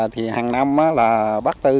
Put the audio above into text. thì hàng năm là bắt tư